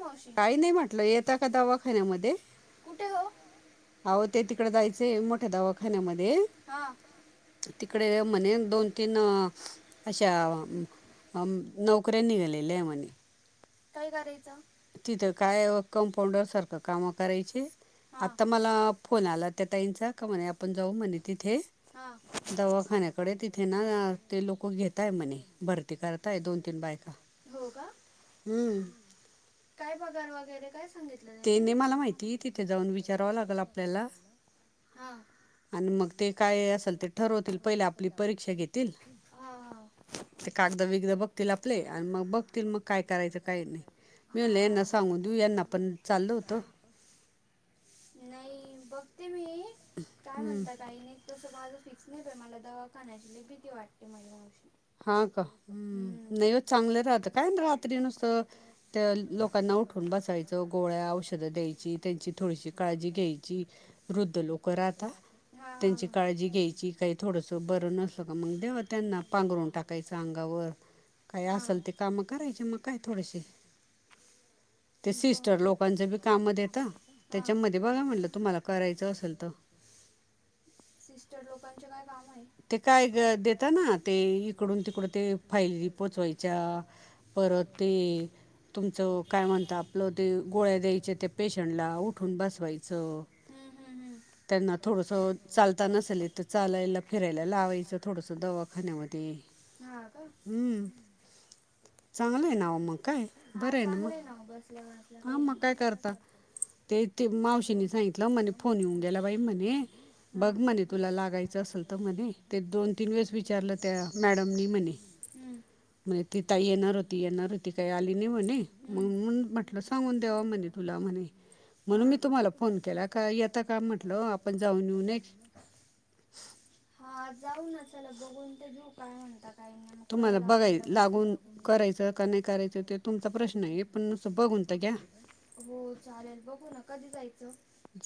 मावशी कुठे हो. आवो ते तिकडे जायचंय मोठ दवाखान्यामध्ये हा. इकडे म्हणे दोन तीन अशा नोकऱ्यां निघालेत्या म्हणे. काय करायचं तिथं काय कंपाउंडर सारखं काम करायचे. आता मला फोन आला त्या ताईंचा का म्हणे आपण जाऊ म्हणे तिथे. दवाखान्याकडे तिथे ना ते लोक घेतय म्हणे भरती करताय दोन तीन बायका हो का. हमंम. काय पगार वगैरे काय सांगितलं त्यांनी. हां. आणि मग ते काय ठरवतील पहिला परीक्षा घेतील हा हा. [unintelligible] करायचं काही नाही मी म्हणलं यांना सांगू देऊ यांना पण चालल होत. नाही बघते मी. काय म्हणता काही नाही तसं माझं फिक्स नाही प मला दवाखान्याची लय भीती वाटते मयमावशी. आता आता हम्. तन स [unintelligible] त्या लोकांना उठून बसायचं गोळ्या औषधं द्यायची त्यांची थोडीशी काळजी घ्यायची वृद्ध लोकं राहतात त्यांची काळजी घ्यायची काही थोडंसं बरं नसत मग तेव्हा त्यांना पांघरून टाकायचं अंगावर काय असल ते काम करायचे मग काय थोडसे ते सिस्टर लोकांचं बी काम देता त्याच्यामध्ये बघा म्हटलं तुम्हाला करायचं असेल तर ते काय ग देता ना ते इकडून तिकड फाईली पोहचवायच्या परत ते तुमचं काय म्हणत आपलं ते गोळ्या द्यायचे ते पेशंटला उठून बसवायचं त्यांना थोडस चालता नसेल तर चालायला फिरायला लावायचं थोडस दवाखान्यामध्ये हम्म चांगलंय नाव मग काय बरं आहे ना मग हा मग काय करता ते ते मावशीनी सांगितलं म्हणे फोन येऊन गेला बाई म्हणे बघ म्हणे तुला लागायचं. दोन तीन वेळेस विचारलं त्या मॅडमनी म्हण ती ताई येणार होती येणार होती काय म्हणे म्हटलं सांगून देवा म्हणे तुला म्हणे म्हणून मी तुम्हाला फोन केला का येता काय म्हटलं आपण जाऊन येऊन हा जाऊ ना चला बघून तर घेऊ काय म्हणता काही नाही मग कळलं आपल्याला कस कलता [unintelligible] ् हो चालेल बघू ना कधी जायचं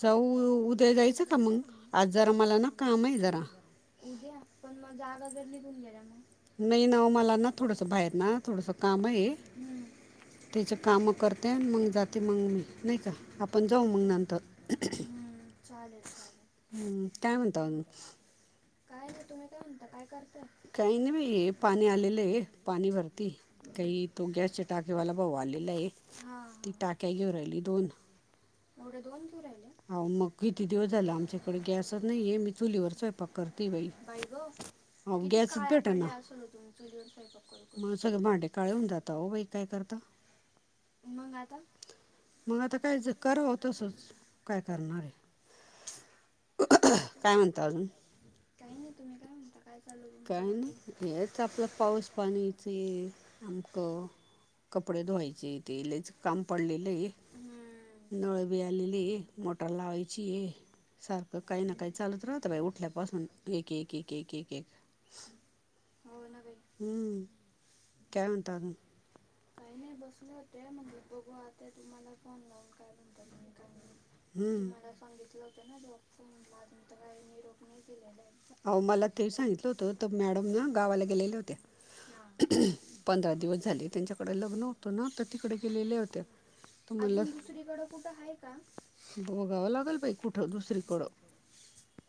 [unintelligible] उद्या पण मग जागा जर निघून गेल्या मग म हम ह [unintelligible] चालेल चालेल [unintelligible] काही नाही बाई पाणी आलेलं आहे पाणी भरती काही तो गॅस च टाक वाला भाऊ आलेला आहे ती टाक्या घेऊ राहिली दोन मग किती दिवस झाला आमच्याकडे गॅसच नाही आहे मी चुलीवर स्वयंपाक करती बाई गॅसच भेट ना मग सगळे भांडे काळून जात हो बाई काय करता मंगात म होणार होत काय ह काय म्हणण काही नाही तुम्ही काय म्हणता काय चालू तुमच बाकीे च आपला पाऊस पाणीचं आमकं कपडे धुवायचे तेलेच काम पडलेले आहे नळ बी आलेली मोठ टलावायची हे सारखं काही ना काही चालत राहतं बाई उठल्या पाासून एक एक एक एक एक एक हम्म काय म्हनता तू काही नाही बसले होते म्हटलं बघू आता तुम्हाला फोन लावून काय म्हणता तुम्ही काही नाही मला सांगितलं होतं ना जॉब म्हज तर का मी रोग नाही दिलेलं अ मला ते सांगितलं होत तर मॅडम ना गावाला गेलेल्या होत्या पंधरा दिवस झाले त्यांच्याकडें लग्न होतं ना तर तिकडे गेलेल्या होते्या तुम्हाला दुसरीकड कुठ आहे का बोघाव लागेल पाहि कुठं दुसरीकडं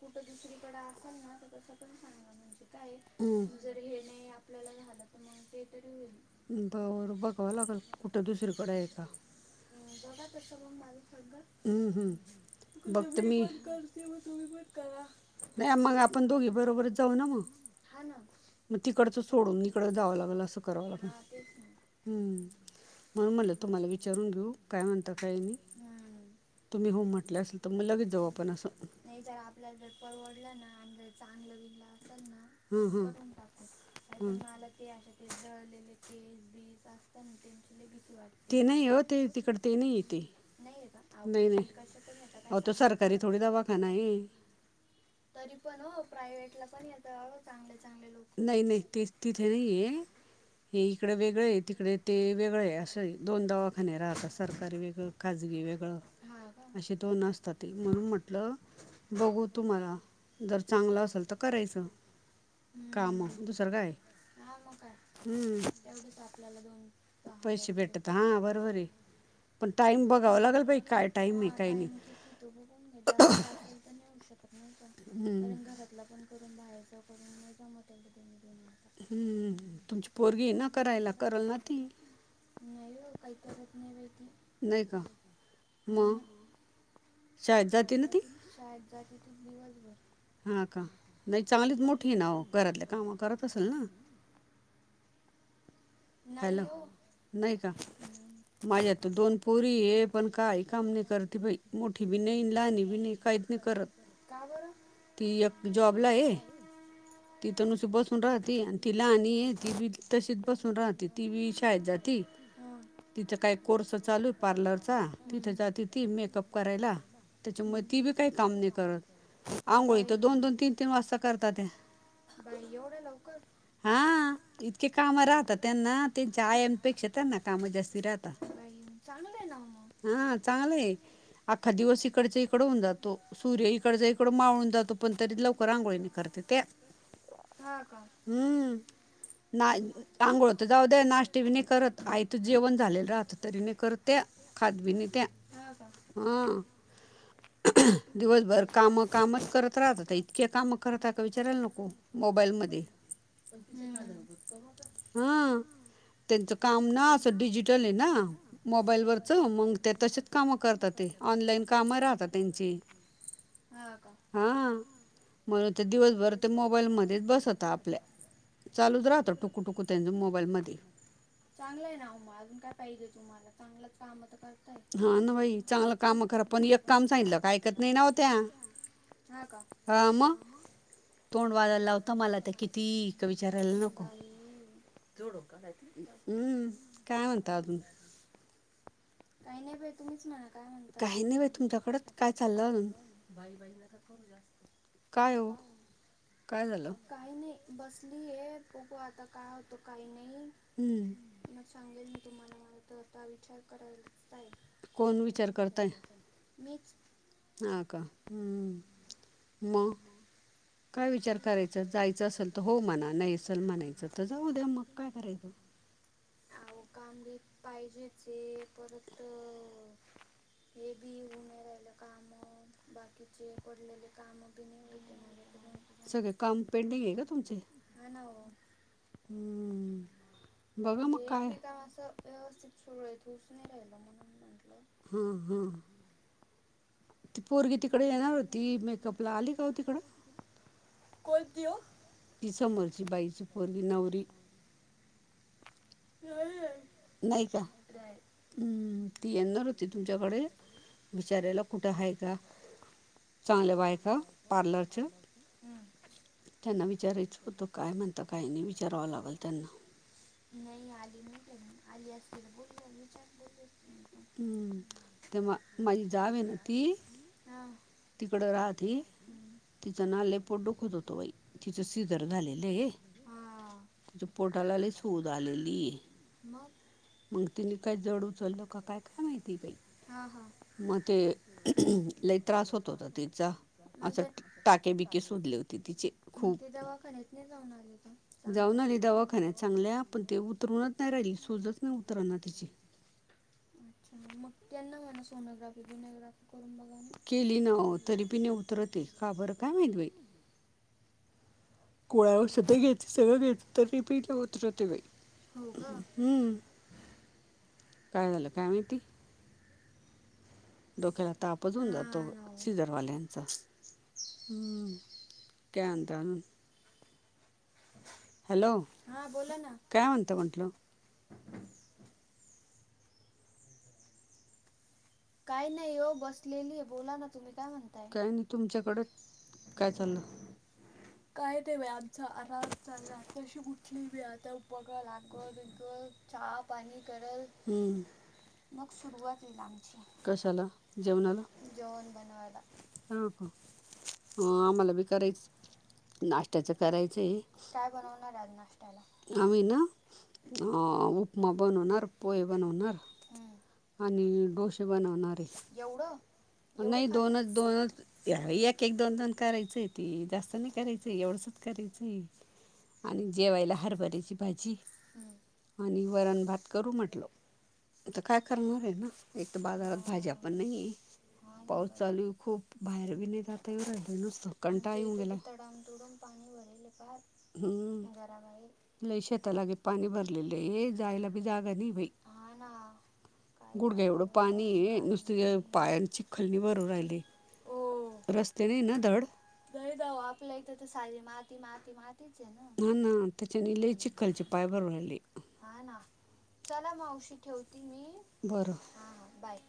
कुठं दुसरीकडे असल ना तर तसं पण सांगा म्हणजे काय जर हे नाही आपल्याला झालं तर मग ते तरी होईल बर बघावं लागेल कुठं दुसरीकडे आहे का हम् बघा तस मग माला स त कसं मी पण कर तेव्हा तुम्ही पण कराग आप हा ना कतीडती हा तेच हम्म म्हणून म्हटलं तुम्हाला विचारून घेऊ काय म्हणत काही नाही तुम्ही हो म्हटलं असेल तर मग लगेच जाऊ आपण असं आपल्या जरवडलं ना चांगलं विनलं असेल नाून टाकू ते जळलेले केस बीज असत ना त्यांची भीती वाटते नाहीये का अ पेशंट कसे पण येत काय सांगत तरी पण हो प्रायव्हेटला पण येत ह चांगले चांगले लोक ह येन हे इकडे वेग ते वेगळं आहे असं दोन दवाखाने राहतात सरकारी वेगळं खाजगी वेगळं. असे तो नसतात म्हणून म्हटलं. बघू तु मला जर चांगलं असेल तर करायचं काम दुसरं काय हम्म आपल्याला दोन दहा हजार हा टाइम किती तो बघून घे जास्त असेल तर नाही होऊ शकत नाही का कारण घरातला पण करून बाहेरच करून नाही जा म त्या हम्म तुमची पोरगी ना कराय लागत करल ना ती नाही का मग हो शाेत जाते त दिवसभर. चांलतचात ना [unintelligible] हॅलो नाही का माझ्या त दोन पोरी ये पण काय काम नाही करते बाई. मोठी बी नाही लहणी बी नाही काहीत नाही करत ती एक जॉबला आहे. तिथ नुशी बसून राहते आणि तिला आणि आहे ती बी तशीच बसून राहते. यच तं काहीच का [unintelligible] करायलायला. बाई बाई एवढा लवकर. हा हा. कामं राहतात. त्यांना त्यांच्या आयामपेक्षा त्यांना काम जास्ती राहतातग. हा चांगलंय अख्खा दिवस इकडच्या इकड होऊन जातो सूर्य इकडचा इकड मावळून जातो. पण तरी लवकर आांघोळीने करते ते हम्म. ना अांगोळ तर जाऊ दे्या नाष्ट्ते बी नाही करत आईत जेवण झालेलं राहत तरी नाही करत ते. ह का. [unintelligible] मोबाईल मोबाईलमध्येध्ये. प [unintelligible] [unintelligible] ाच काम मोबाबालत त क करतात काम राची हा का मला दिवस दिवस मोबाईल बस हो आपल्या.. चालू चालत राहत मोबाईल मोबाईल मध्ये चांगलं आहे ना उमा अजून काय पाहिजे तुम्हाला चांगलंच काम तर करताय. चांग कात. हा काला क हम्म काय म्हणत अजून ह [inaudible] काही नाही बाई तुम्हीच म्हणा काय म्हणता [unintelligible] काही नाही बसली आहे. बकू आता काय होतं काही नाही मग सांगेल मी तुम्हाला माला तर आता विचार करायला. मीच. ह का. मग काय विचार करायचं जायचं असेल तर हो मणा नाही. सलमानायचं तर जाऊ दे्या मग काय करायचं. अ काम बी पाहिजे ते परत हे बी होऊन नाही राहिलं काम बाकीचे पडलेले काम बीन राहि आहे. ह ना. हम्म. म्हणजे एक बे काम असं व्यवस्थित सुरू आहे की नाहीर एल म्हण म्हंटलं. उरगिट क प. कोणतीओ. लीय. नाहीत नाहीतयंदंदोगरीगरी [unintelligible] बचार्यालाोकचा फायचा हायचा. चाल चा चालं. विचना विचार विचारलं काय म का. काही नाही विचारावं लागेल त्यांना. नाही आली नाही तर आली असतील बोललं विचार बोलले असते नाही प मग. जा ह [unintelligible] तिकडड राह त [unintelligible] हा पोटाला मग. ह हा ते लेटा लेटा फक्त मग तर मग ते दवाखान्यात नाही जाऊन आले का चांगले दवाखान्या पण ते उतरूनच नाही राहिली सूजच नाही उतरना तिची मग त्यांना सोनोग्राफी बनोग्राफी करून बघा केली नव तरी प न. का बर काय माहिती बाई कुळवा. तर घेते सगळं घेत तरबी नाही उतरत आहे बाई. हम्म काय झालं काय माहिती? डोक्याला तापच होऊन जातो सिजरवाल्यांचा कय आणता. हॅलो हा बोला ना काय मनता. काय नाही हो बसलेली आहे बोला ना तुम्ही काय म्हणताय तुमच्याकडे कायच ना. काय नाही बाई आमचा आराम चालला आताशी कुठली मी आता बघेल आघोळ बिंघोळ चहा पाणी करल मग सुरुवात होईल आमची ठी चल जेव जवन बनवायला. ह आम्हाला बी करायचं. नाश्याच करायचंय काय बनवणार आज नाश्त्याल आम्ही ना. अ उपमा बनवणार पोहे बनवणार आणि डोसे बनवणारे एवढं. नाही दोनच दोनच एक एक दोन दोन करायचंय ती जास्त नाही करायचं एवढ. काहीच नाही. आणि जेवायला हरभऱ्याची भाजी आणि वरण भात करू म्हटलं. आता काय करणार आहे ना. हा. हा ना बाई. आमच्या इथे बी तडाम तुडूम पाणी भरेले पार. हम्म. लय शेतालागे पाणी भरलेले आहे जायला बी जागा नाही बाई. हा ना. काय करावं? हो. नाही ना ओ आपल्या इथं तर सारी माती, माती, मातीच आहे ना. हा ना, चला मावशी ठेवते मी. हां, हां बाय.